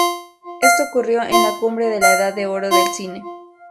Esto ocurrió en la cumbre de la edad de oro del cine.